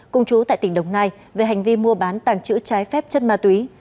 cùng chú tại tỉnh đồng nai về hành vi mua bán tàng chữ trái phép chất ma túy